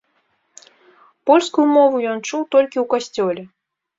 Польскую мову ён чуў толькі ў касцёле.